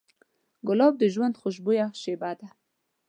ګلاب د ژوند خوشبویه شیبه ده.